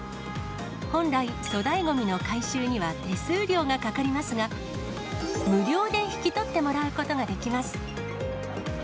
本来、粗大ごみの回収には手数料がかかりますが、無料で引き取ってもらうことができます。